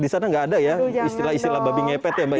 di sana nggak ada ya istilah istilah babi ngepet ya mbak ya